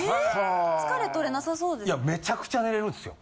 疲れ取れなさそうですね。